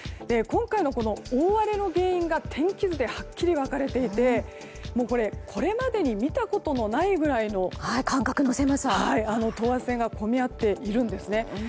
今回の大荒れの原因が天気図ではっきり分かれていて、これまでに見たことがないくらい等圧線が込み合っているんですね。